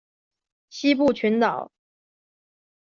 西部群岛。